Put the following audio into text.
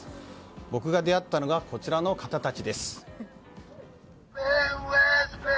僕が出会ったのはこちらの方たち。